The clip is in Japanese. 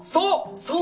そう！